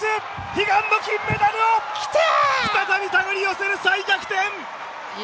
悲願の金メダルを再びたぐり寄せる、大逆転！